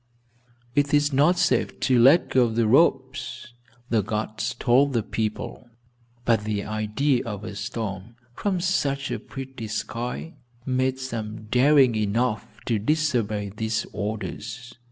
"It is not safe to let go the ropes," the guards told the people, but the idea of a storm, from such a pretty sky, made some daring enough to disobey these orders.